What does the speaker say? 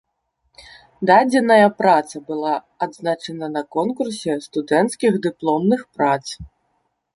Дадзеная праца была адзначана на конкурсе студэнцкіх дыпломных прац.